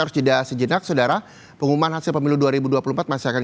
harus jeda sejenak saudara pengumuman hasil pemilu dua ribu dua puluh empat masih akan